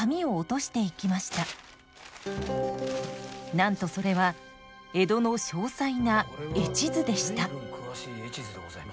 なんとそれは江戸の詳細な絵地図でした。